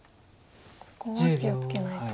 ここは気を付けないと。